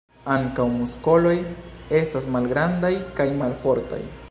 Ankaŭ muskoloj estas malgrandaj kaj malfortaj.